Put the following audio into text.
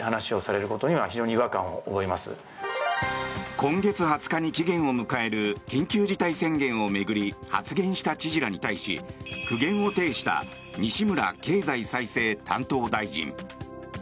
今月２０日に期限を迎える緊急事態宣言を巡り発言した知事らに対し苦言を呈した西村経済再生担当大臣。